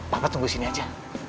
papa tunggu sini aja